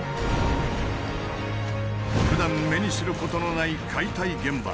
ふだん目にすることのない解体現場。